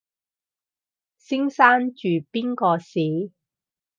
先生住邊個巿？